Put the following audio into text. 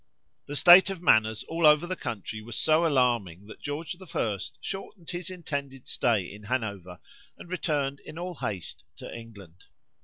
The state of matters all over the country was so alarming, that George I. shortened his intended stay in Hanover, and returned in all haste to England.